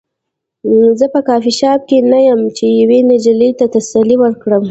زه په کافي شاپ کې نه یم چې یوې نجلۍ ته تسلي ورکړم